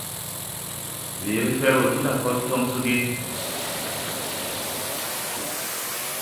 Weere fer wo ti lakol toŋ so ge?